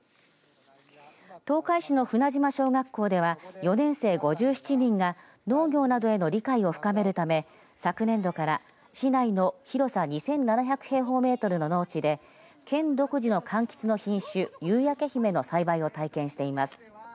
東海市の船島小学校では４年生５７人が農業などへの理解を深めるため昨年度から市内の広さ２７００平方メートルの農地で県独自のかんきつの品種夕焼け姫の栽培を体験しています。